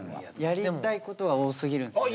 やりたいことが多すぎるんですよね。